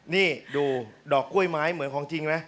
นี่ดูดอกกล้วยไม้เหมือนของจริงไหม